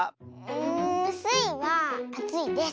んスイはあついです。